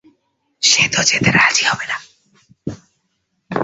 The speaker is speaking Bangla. সে তো যেতে রাজি হবে না।